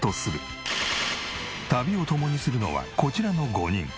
旅を共にするのはこちらの５人。